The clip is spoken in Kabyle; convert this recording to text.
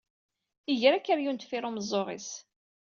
Iger akeryun deffir umeẓẓuɣ-is.